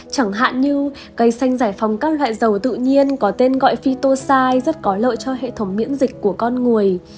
chẳng hạn như cây xanh giải phóng các loại dầu tự nhiên có tên gọi fitosai rất có lợi cho hệ thống miễn dịch của con người